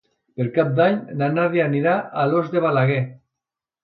Per Cap d'Any na Nàdia anirà a Alòs de Balaguer.